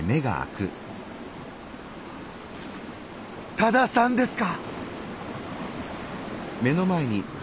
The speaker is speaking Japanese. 多田さんですか？